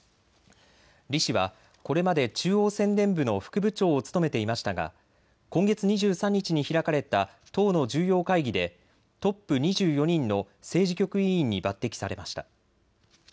李氏はこれまで中央宣伝部の副部長を務めていましたが今月２３日に開かれた党の重要会議でトップ２４人の政治局委員に抜てきされました。